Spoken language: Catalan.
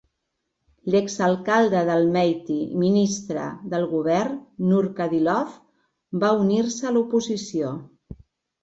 L'ex-alcalde d'Almaty i ministre del govern, Nurkadilov, va unir-se a l'oposició.